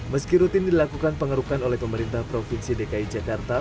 meski rutin dilakukan pengerukan oleh pemerintah provinsi dki jakarta